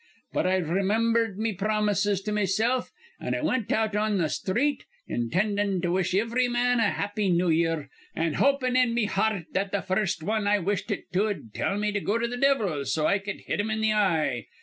But I remimbered me promises to mesilf, an' I wint out on th' sthreet, intindin' to wish ivry wan a 'Happy New Year,' an' hopin' in me hear rt that th' first wan I wished it to'd tell me to go to th' divvle, so I cud hit him in th' eye.